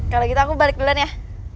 kalau gitu aku balik belen ya